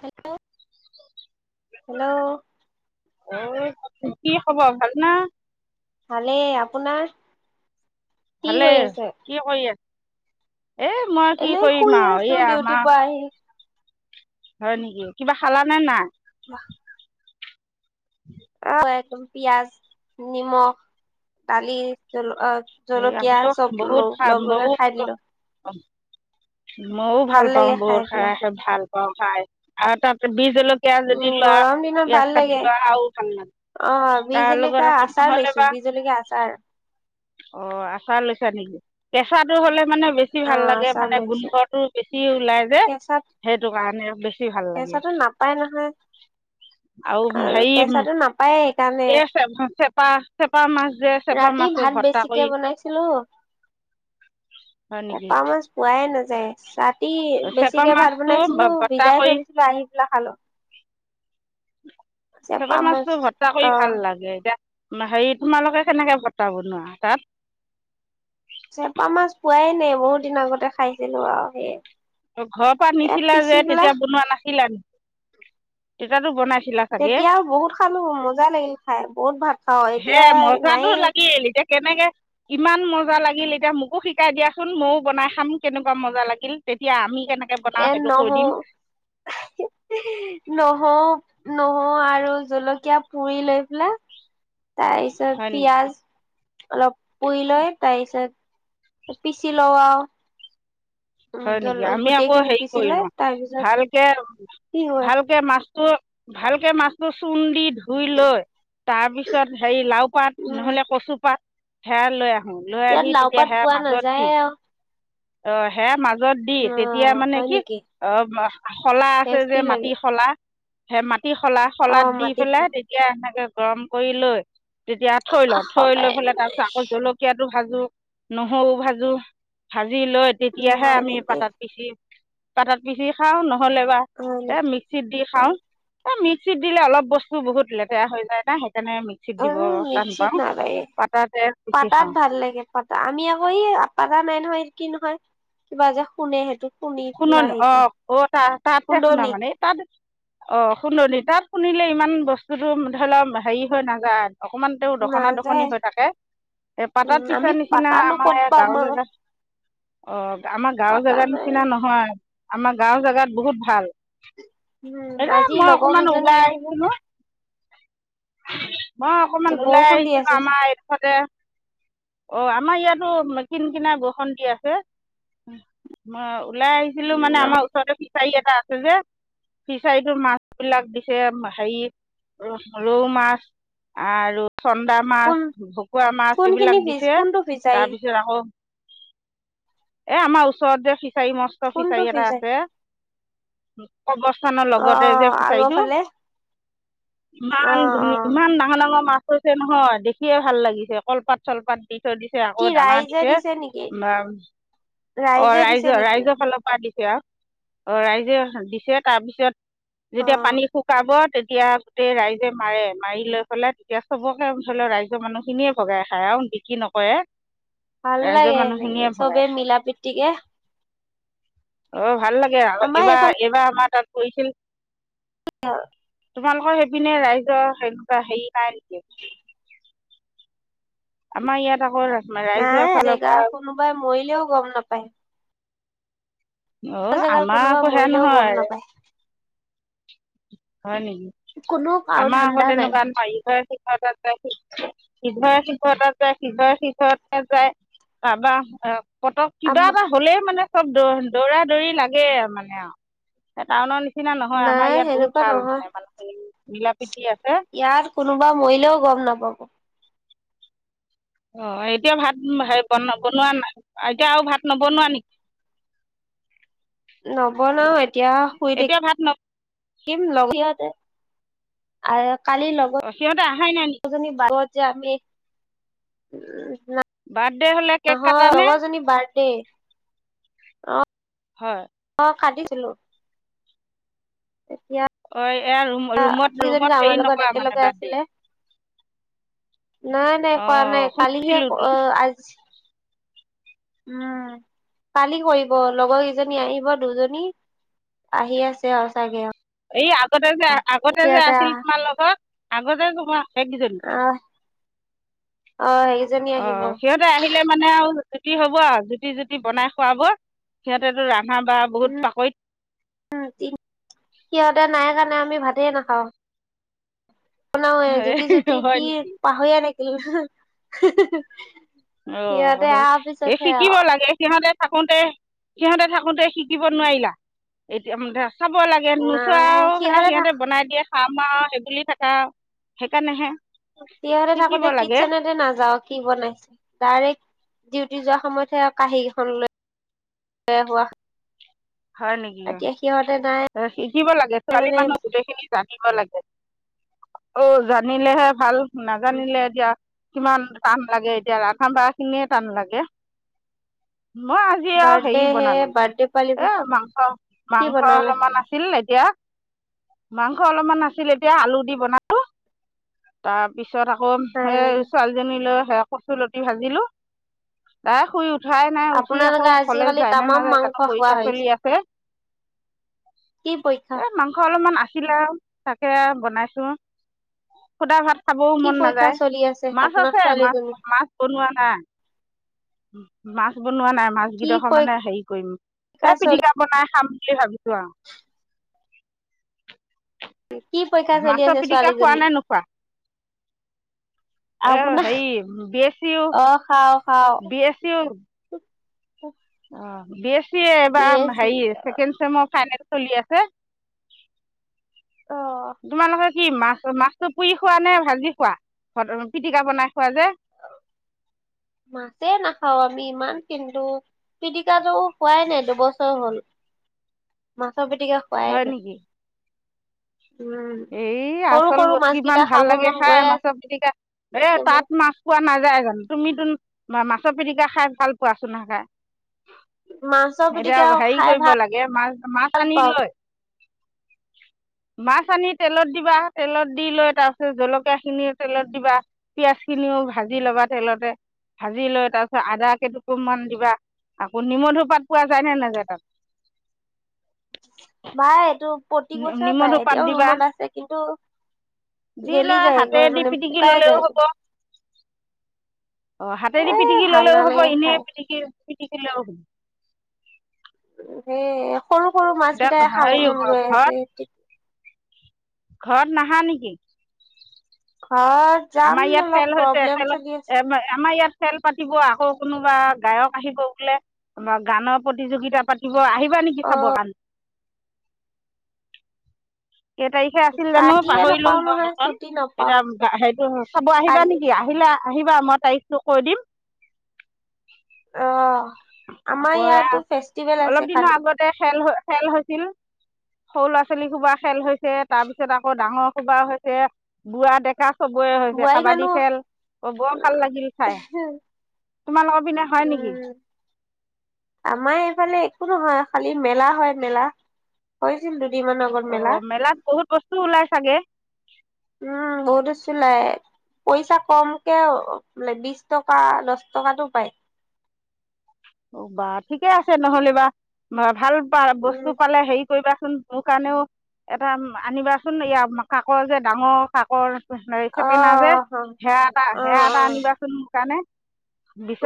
Hello hello এ কি খবৰ ভাল ন ভালে আপোনাৰ কি ভালে কৰি আছে? কি কৰি আছে এ মই কি এনে শুই কৰিম আৰু আছো এই ডিউটিৰ আমাৰ পৰা হয় নেকি কিবা খালা নে নাই বাাহ [inaudible] আহ একদম পিয়য়াজ নিমখ দালি জ এই জলকীয়া আমিও চব বহুত লগ খাম লগ লগাই খাই দিলো মইও ভাল পাওঁ বহুত খাই সে ভাল। জলফাই আৰু তাত বিহ জলকীয়া যদি উম, লোৱা গৰম দিনত পিয়াজ ভাল কাটি লাগে, লোৱা আৰু ভাল লাগে অ' বীহ তাৰ লগত জলকলকীয়া আকৌ আচাৰ নহ'লে বা লৈছো বীহ জলকীয়া আচাৰ। অ' আচাৰ লৈছা নেকি? কেঁচাটো হলে মানে বেছি অ ভাল লাগে আচাৰ মানে লৈছো গোন্ধটো বেছি। ওলাই যে কেঁচাত সেইটো কাৰণে বেছি ভাল লাগে। কেঁচাটো নাপায় নহয় আৰু হেৰি কেঁচাটো নাপায় সেইকাৰণে এই চেপা-চেপা মাছ যে চেপা ৰাতি মাছো ভাত বেছিকে কৰি বনাইছিলো, হয় নেকি চেপা মাছ পোৱাই নাযায়, ছাতি চেপা বেছিকে ভাত মাছটো বনাইছিলো ভৰ্তা ভিজাই থৈ কৰি দিছো আহি নাখালো। চেপা মাছটো ভৰ্তা কৰি অ ভাল লাগে, এতিয়া হেৰি তোমালোকে কেনেকে ভৰ্তা বনোৱা তাত। চেপা মাছ পোৱাই নাই বহুত দিন আগতে খাইছিলো আৰু সেইয়ে ঘৰৰ পৰা নিছিলা যে তেতিয়া বনোৱা নাছিলা নেকি? তেতাতো বনাইছ তেতিয়া আৰু বহুত খালো মজা লাগিল খাই। বহুত ভাত খাওঁ হে এতিয়া মজাটো নায়ে লাগিল। এতিয়া কেনেকে ইমান মজা লাগিল এতিয়া মোকো শিকাই দিয়াচোন ময়ো বনাই খাম কেনেকুৱা মজা লাগিল। তেতিয়া আমি কেনেকৈ বনাওঁ এ সেইটো কৈ দিম নহ-নহ, নহৰু আৰু জলকীয়া পুৰি লৈ পেলাই, তাৰ পিছত হয় নেকি পিয়াজ অলপ পুই লৈ তাৰপিছত পিচি লওঁ আৰু। উম হয়, জল নেকি আমি আকৌ গোটেইখিনি হেৰি পিচি কৰি লৈ লওঁ তাৰপিছত কি হয় ভালকে-ভালকে মাছ ভালকে মাছটো চূণ দি ধুই লৈ তাৰ পিছত হেৰি লাও পাত, উম নহলে কচু পাত, সেয়া লৈ উম, লৈ ইয়াত আহি লাও তেতিয়া পাত সেয়া পোৱা পাতত দি নাযায় আৰু অ', হে মাজ। ত, দি ন তেতিয়া মানে হয় কি নেকি অ' শলা আছে যে টেষ্টি মাটি লাগে শলা। সে ম। অ শলা-শলাত দি মাটি পেলাই, তেতিয়া এনেকে। গৰম কৰি লৈ? তেতিয়া থৈ আমাৰ লওঁ থৈ লৈ সদায় পেলাই তাৰপিছত আকৌ জলকীয়াত? ভাজো নহৰুও ভাজো ভাজি লৈ। স হে নহয় আমি নেকি পাতাত পিছি? পতাত পিহি খাও ন। হ'লে বা হয় এ নেকি মিক্সিত দি খাও এ মিক্স? সি দিলে অলপ বস্তু বহুত লেটেৰা হয় য়াই ন সেই কাৰণে বেয়া হৈ যায় এটা। উম নিশ্চিত নালায় পাততে পিচি পাতাত খাওঁ ভাল লাগে পাতা আমি আকৌ ই। দা নাই নহয় কি নহয় কিবা যে শুনে সেইটো? শুনি শুননি লাহে অ কৰো অ ত তাতহে শুনা খুন্দনি মানে তাত অ। শুননি তাত শুনিলে ইমান বস্তুটো ধৰি লওক হেৰি হৈ নাযায়? অকণমান তেওঁ দখনা দখনি নাযায় হৈ থাকে উম পাতত পিছা আমি নিচিনা পাতানো আমাৰ ক'ত এই পাম গাঁৱলৈ? আৰু অ আাৰ গাঁৱৰ পাতা নাই জেগাত। হয় আমাৰ গাঁও জোগাত বহুত ভাল। উম এৰা আজি মই লগৰ অকমান কেইজনী ওলাই আহিব আহিছো ন। [inaudible] [unintelligible] মই অকনমান ওলাই বৰষুণ দি আহিছিলো আছে আমাৰ এইডখতে। অ আমাৰ ইয়াতো কিন কিনা বৰষুণ দি আছে? ওলাই আহিছিলো মানে উম আমাৰ ওচৰতে। ফিচাৰী এটা আছে যে ফিচাৰিটোৰ মাছ বিলাক দিছে হেৰি? ৰৌ মাছ আৰু। চন্দা মাছ কোন ভকুৱা মাছ কোনখিনি এইবিলাক ফিচ দিছে কোনটো ফিচাৰি তাৰপিছত আকৌ? এ আমাৰ ওচৰত যে। ফিচাৰী মস্ত কোনটো ফিচাৰী এটা ফিচাৰি আছে? উম। অৱস্থানৰ অ লগতে যে আগৰ ফিচাৰীটো ফালে অ ইমান অ ধুনীয়া ইমান ডাঙৰ ডাঙৰ মাছ। কৈছে নহয় দেখিয়ে ভাল লাগিছে কলপাত চলপাত। দিছে দিছে আকৌ কি দানা ৰাইজে দিছে? নেকি অ ৰাইজে দিছে ৰাইজৰ নেকি ৰাইজৰ ফালৰ পৰা দিছে আৰু অ ৰাইজে দিছে তাৰপিছত অ যেতিয়া পানী শুকাব তেতিয়া গোটেই ৰাইজে মাৰে মাৰি লৈ পেলাই তেতিয়া চবকে ধৰি লওক ৰাইজৰ মানুহ খিনিয়ে ভগাই খায় আৰু বিক্ৰী নকৰে । ভাল লাগে এনেকে সবে মিলাপ্ৰীতি তিকে অ ভাল লাগে, আমাৰ এইফালে এবাৰ এবাৰ আমাৰ তাত কৰিছিল । [unintelligible] তোমালোকৰ সেইপিনে ৰাইজৰ সেনেকুৱা হেৰি পাই নেকি [unintelligible] আমাৰ ইয়াত আকৌ ৰাইজৰ নাই ফালৰ জেগা পৰা কোনোবাই মৰিলেও গম নাপায় । অ আমাৰ কোনোবা আকৌ সেইয়া মৰিলেও গম নহয় নাপায় হয় নেকি কোনো কাৰো আমাৰ ধান্দা আগতে এনেকোৱা নাই মাৰি থৈ আ ত শিৱৰ শিখৰত যায় শিৱৰ শিখৰতে যায় বাবা, পতক আম কিবা এটা হ'লেই মানে চব দৌ দৌৰা দৌৰি লাগে মানে আৰু টাউনৰ নিচিনা নিচিনা নহয় আমাৰ নাই ইয়াত বহুত সেনেকুৱা ভাল মানে নহয় মানুহখিনি মিলা প্ৰীতি আছে ইয়াৰ কোনোবা মৰিলেও গম নাপাব । অ এতিয়া ভাত হে বনোৱা নাই এতিয়া আৰু ভাত নবনোৱা নেকি? নবনাও এতিয়া শুই থাকিম শুই এতিয়া ভাত থাকিম লগতে । আৰু কালি লগত ন সিহঁতে অহাই নাই নেকি বহুজনী যে আমি উ বাৰ্থডে হলে কেক কটানে? কেক হয় । কাটিছিলোঁ । অ এইয়া ৰুমত কিজনী যে ৰুমত আমাৰ হেৰি লগত নকৰা মানে একেলগে বাৰ্থডে আছিলে নাই নাই পোৱা নাই অঁ কালিহে শুনিছিলোঁতো আজি উম পালি কৰিব লগৰ কেইজনী আহিব দুজনী আহি আছে আৰু চাগে আৰু এই আগতে যে আগতে যে আছিল তোমাৰ লগত আগতে তোমাৰ এককেইজনী । আহ অ সেইজনী অ আহিব সিহঁতে আহিলে মানে আৰু জুতি হব আউ। জুতি-জুতি বনাই খুৱাব সিহঁতেতো ৰা উম সিহঁতে নাই অহা অ আমি ভাতে নাখাওঁ। বনাওয়ে জুতি-জুতি কি হয় নেকি পাহৰিলে নেকি [unintelligible] অ' এই শিকিব লাগে সিহঁতে থাকোঁতে সিহঁতে থাকোতে শিকিব নোৱাৰিলা? এতিয়া ম চাব লাগে নাই নোচোৱাও থাক সিহঁতে বনাই দিয়ে আমাৰ সেইবুলি থাকে আউ, সেইকাৰণেহে। সিহঁতে শিকিব থাকোতে লাগে কিটচেনেতে নাযাও, কি বনাইছে। ডাইৰেক্ট ডিউটি যোৱা সময়তহে আৰু কাহী কেইখনৈ লৈ [inaudible] হোৱা হয় নেকি এতিয়া সিহঁতে নাই। শিকিব লাগে, ছোৱালী মানে মানুহ গোটেই খিনি জানিব লাগে। অ জানিলেহে ভাল। নাজানিলে এতিয়া কিমান টান লাগে, এতিয়া ৰান্ধা বাৰা খিনিয়ে টান লাগে। মই আজি আৰু বাৰ্থডে হেৰি হে বনালো বাৰ্থডে পালিব এ কি মাংস-মাংস বনালে অলপ এতিয়া মাংস অলপমান আছিল এতিয়া আলু দি বনালো। তাৰপিছত পিছত আকৌ এ নাই নেকি ছোৱালীজনী লৈ কচুলতি ভাজিলো তাই শুই উঠ উঠাই নাই উঠি আকৌ আপোনালোকে কলেজ আজিকালি যায় নে তামাম নাযায় মাংস জানো খোৱা পৰীক্ষা চলি হৈছে আছে। কি এ পৰীক্ষা? মাংস অলপমান আছিলে আৰু তাকে বনাইছো সুদা ভাত। খাবও কি মন পৰীক্ষা নাযায় চলি আছে মাছ আপোনাৰ আছে, ছোৱালীজনী মাছ-মাছ বনোৱা নাই। মাছ ব বনোৱা নাই কি মাছগেইডোখৰ মানে পৰীক্ষা হেৰি কৰিম এই চলি পিটিকা বনাই খাম। ভাবিছোৱা আৰু। কি পৰীক্ষা চলি মাছৰ আছে পিটিকা খোৱা ছোৱালীজনী নে নোখোৱা? এ আপোনাৰ হেৰী বি এছ ইও, অ খাও বি এছ ইও উম অ বি এছ এবাৰ চি হেৰী চেকেনছেমৰ ফাইনেল। চলি আছে অ তোমালগত? কি মাছ মাছটো পুৰি খোৱা নে ভাজি খোৱা পিটিকা বনাই খোৱা যে? মাছে নাখাও আমি ইমান কিন্তু পিটিকাটো খোৱাই নাই দুবছৰ হ'ল মাছ মাছ পিটিকা খুৱাইনাই এ সৰু আচল সৰু বস্ত ইমান মাছকেইটা ভাল খাব লাগে মন খাই গৈয়ে মাছত আছে পটিকা, এ মোৰ তাত মাছ পোৱা নাযায় জানো? তুমো মই মাছৰ পিৰিকা খাই ভাল পোৱাচোন নাখাই মাছৰ এতিয়া পিটিকা হেৰি খাই কৰিব লাগে মাছ-মাছ ভাল আনি পাওঁ। লৈ মাছ আনি তেলত দিবা, তেলত দি লৈ তাৰপিছত জলকীয়া খিনি তেলত দিবা, পিয়াজ খিনিও ভাজি লবা, তেলতে ভাজি লৈ তাৰপিছত আদা কেইটুকমান দিবা, আকৌ নিমধুপাত পোৱা যায়নে নেযায় তাত? ভাই এইটো প্ৰতি বছৰে পায় নিমধো পাত এতিয়াও দিবা, ৰুমত আছে কিন্তু দি গেলি লৈ যায়গৈ হাতেৰে দি মানে পিটিকি শুকাই ললেও যায় হব, অ হাতেদি এ পিটিকি ভাল ললেও হব নালাগে এনে খাই। পিটিকি পিতিকি লেও হ'ব। সেই সৰু-সৰু মাছ এতিয়া কেইটাই খাব হেৰি মন গৈ ঘৰত আছে। ঘৰত নাহা নেকি? ঘৰত যাম আমাৰ ইয়াত অলপ খেল হৈছে প্ৰব্লেম খেল চলি আছে। আমাৰ ইয়াত খেল পাতিব আকৌ কোনোবা গায়ক আহিব বোলে, গানৰ প্ৰতিযোগিতা পাতিব আহিবা নেকি অ' চাব কাৰণে? কেই তাৰিখে আছিল জানো পাৰ্টিয়ে পাহৰিলো নাপাও ন নহয় সেইখন, ছুটি নাপাও এতিয়া সেইটো চাব আহিবা কালি নেকি? আহিলে আহিবা মই তাৰিখটো কৈ দিম। অ আমাৰ আকৌ ইয়াতো ফেষ্টিভেল অলপ আছে দিনৰ খালি। আগতে খেল খেল হৈছিল, সৰু ল'ৰা ছোৱালী সোপাহ খেল হৈছে, তাৰপিছত আকৌ ডাঙৰ কিবা হৈছে, বোৱা-ডেকা চবৰে হৈছে, বোৱাৰী কাবাডী মানুহ খেল বৰ ভাল লাগিল চাই। তোমালোকৰ পিনে হয় নেকি? উম আমাৰ এইফালে একো নহয়, খালি মেলা হয় মেলা হৈছিল দুদিনমানৰ আগত অ মেলা। মেলাত বহুত বস্তু ওলাই চাগে? উম বহুত বস্তু ওলাই পইচা কমকে বোলে বিশ টকা, দহ টকাতটো পায়। অ বা ঠিকে আছে নহ'লে বা-বা ভাল বস্তু উম পালে হেৰি কৰিবা চোন তোৰ কাৰণেও এটা আনিবাচোন ই কাকৰ যে ডাঙৰ কাকৰ অ চাপে না যে অ সেয়া অ এটা-সেয়া এটা আনিবাচোন মোৰ কাৰণে।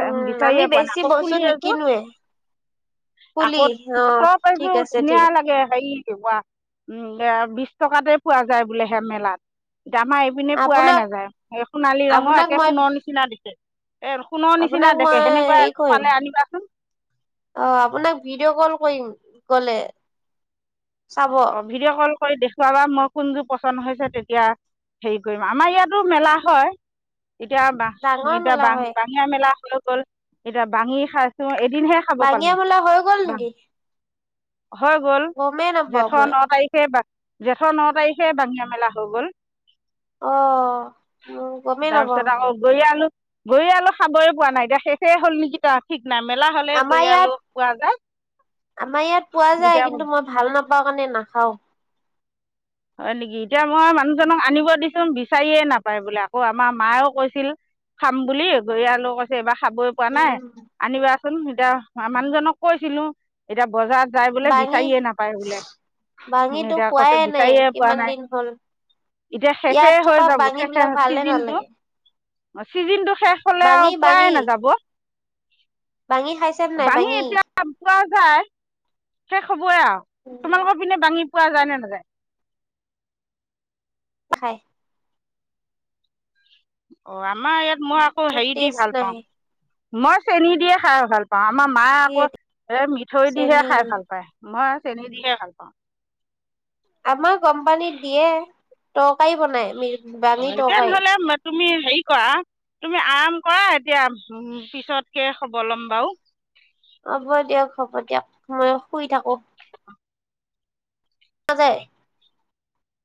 উম আমি পুৱানাই। বেছি আকৌ বস্তু ফুলি এযোৰ, নিকিনোৱে পুলি আকৌ অ তপ ঠিক এযোৰ আছে ধুনীয়া ঠিক লাগে হেৰি কিবা উম এয়া বিশ টকাতে পোৱা যায় বোলে সে মেলাত। আমাৰ এইপিনে পোৱাই আপোনাক নাযায় । এই সোণালী ৰঙৰ, আপোনাক একে মই সোণৰ নিচিনা দিছে। এ সোণৰ নিচিনা দেখে। সেনেকুৱা ম। পালে আনিবাচোন অ' আপোনাক ভিডিঅ' কল কৰিম গ'লে। চাব অ' ভিডিঅ ক'ল কৰি দেখুৱাবা । মই কোনযোৰ পছন্দ হৈছে তেতিয়া হেৰি কৰিম। আমাৰ ইয়াতো মেলা হয়। এতিয়া বা- ডাঙৰ এতিয়া মেলা বা- হয় বাঙীয়া মেলা হলেও গ'ল। এতিয়া বাঙি খাই আছোঁ। বাঙিয়া মেলা হৈ গ'ল নেকি? হৈ গ'ল। গমেই ‍ নাপাও জেঠৰ মই ন' তাৰিখে তে বা- জেঠ ন' তাৰিখে বাংঙিয়া মেলা হৈ গ'ল। অ গমেই নাপাও তাৰপিছত আক' গৈ আনোঁ। বৰি আলো খাবই পোৱা নাই । এতিয়া শেষে হ'ল নেকি তাৰ ঠিক নাই। মেলা হ'লে আমাৰ বৰি ইয়াত আলু পোৱা যায়। আমাৰ ইয়াত পোৱা যায় । এতিয়া কিন্তু মই ভাল নাপ তাৰ কাৰণে নাখাওঁ। হয় নেকি? এতিয়া মই মানুহজনক আনিব দিছোঁ। বিচাৰিয়ে নাপায় বোলে। আকৌ আমাৰ মায়েও কৈছিল খাম বুলি । বৰি আলু কৈছে এইবাৰ খাবই পৰা নাই। আনিবা। চোন। এতিয়া মা- মানুহজনক কৈছিলোঁ। এতিয়া বজাৰত যায় বোলে, বাঙি বিচাৰিয়ে নাপায় বোলে । বাঙিটো এতিয়া কৈছে খোৱাই বি নাই চাৰিয়ে পোৱা কিমান নাই দিন হ'ল। । এতিয়া শেষে ইয়াত হৈ থকা যাব- বাঙি বিলাক শেষে- ভালে চিজিনটো। নালাগে। অ' চিজিনটো শেষ হলে আৰু বাঙি পোৱাই বাঙি নাযাব। বাঙি খাইছে নাই বাঙি এতিয়া পোৱা যায়। শেষ হবইে আৰু । তোমালোকৰ পিনে বাঙি পোৱা যায় নে নাযায়? খায়। অ' আমাৰ ইয়াত মই আকৌ হেৰি দি টেষ্ট ভাল পাওঁ। নাহে মই চেনী দিয়ে খাই ভাল পাওঁ। আমাৰ মায়ে কি আকৌ এ মিঠৈ দিহে চেনি খাই ভাল পায়। মই চেনি দিলে ভাল পাওঁ। আমাক। কোম্পানীত দিয়ে। তৰকাৰী বনাই ম। এতিয়া নহলে তুমি হেৰি কৰা। তুমি আৰাম কৰা এতিয়া পিছতকে খবৰ লম বাৰু। হ'ব দিয়ক হ'ব দিয়ক মই শুই থাকো। সে [unintelligible]